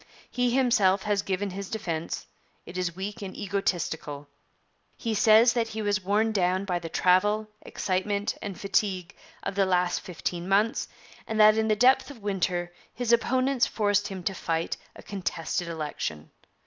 He himself has given his defence; it is weak and egoistical. He says that he was worn down by the travel, excitement, and fatigue of the last fifteen months, and that in the depth of winter his opponents forced him to fight a contested election.